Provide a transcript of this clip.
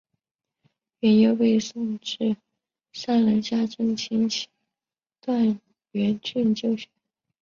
阮攸被送至山南下镇亲戚段阮俊就学。